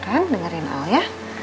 kan dengerin aku ya